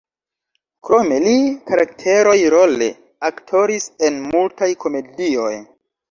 Krome li karakteroj-role aktoris en multaj komedioj.